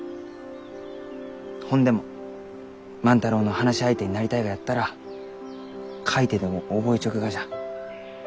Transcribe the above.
ほんでも万太郎の話し相手になりたいがやったら書いてでも覚えちょくがじゃ。